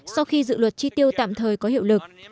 sau khi dự luật chi tiêu tạm thời có hiệu lực